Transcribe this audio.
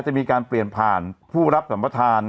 จะมีการเปลี่ยนผ่านผู้รับสัมประธาน